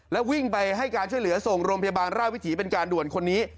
แล้ววิ่งไปให้การช่วยเหลือส่งโรงพยาบาลราชวิถีเป็นการด่วนคนนี้